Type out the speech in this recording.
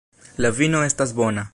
La vino estas bona.